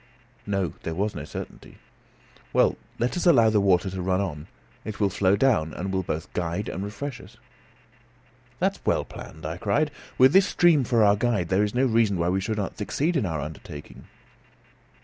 No; there was no certainty. "Well, let us allow the water to run on. It will flow down, and will both guide and refresh us." "That is well planned," I cried. "With this stream for our guide, there is no reason why we should not succeed in our undertaking."